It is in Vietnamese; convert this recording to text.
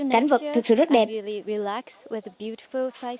cảnh vật thực sự rất đẹp